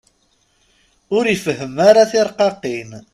Ur ifehhem ara tirqaqin.